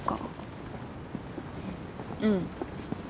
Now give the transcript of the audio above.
うん。